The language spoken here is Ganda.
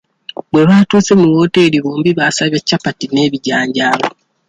Bwe baatuuse mu wooteri bombi baasabye capati n'ebijanjaalo.